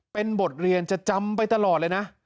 เป็นบทเรียนจะจำไปตลอดเลยนะ